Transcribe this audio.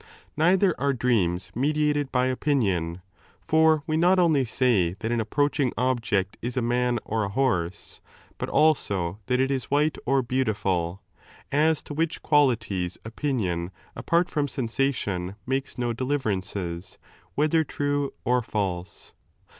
Neither are dreams mediated by opinion. For we not only say that an approaching object is a man or a horse, but also that it is white or beautiful, as to which qualities opinion* apart from sensation makes no deUvcninces, whether true 4 or false.